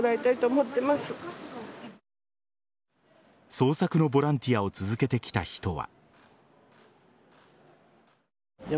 捜索のボランティアを続けてきた人は。